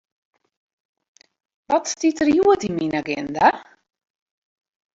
Wat stiet der hjoed yn myn aginda?